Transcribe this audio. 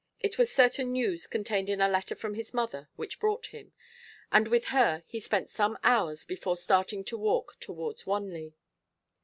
It was certain news contained in a letter from his mother which brought him, and with her he spent some hours before starting to walk towards Wanley.